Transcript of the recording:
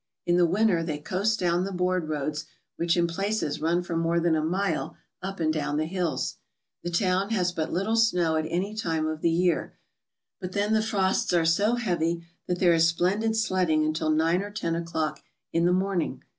In the winter they coast down the board roads which in places run for more than a mile up and down the hills. The town has but little snow at any time of the year, but then the frosts are so heavy that there is splendid sledding until 9 or 10 o'clock in the morning.